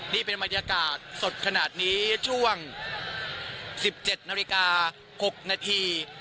นี่เป็นบรรยากาศสดขนาดนี้ช่วง๑๗นาฬิกา๖นาที